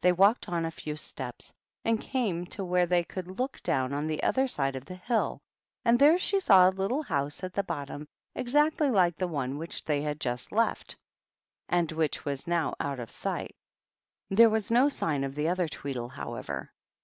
They walked on a few steps and came to where they could look down on the other side of the hill, and there she saw a little house at the bottom exactly like the one which they had just left, and which was now out of sight. There was no sign of the other Tweedle, however.